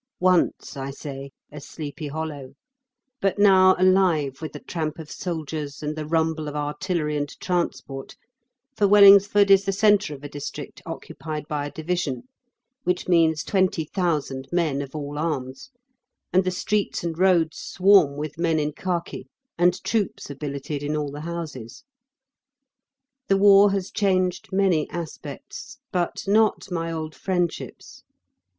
Once, I say, a Sleepy Hollow, but now alive with the tramp of soldiers and the rumble of artillery and transport; for Wellingsford is the centre of a district occupied by a division, which means twenty thousand men of all arms, and the streets and roads swarm with men in khaki, and troops are billeted in all the houses. The War has changed many aspects, but not my old friendships.